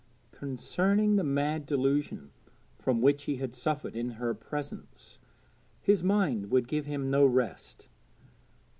Concerning the mad delusion from which he had suffered in her presence, his mind would give him no rest.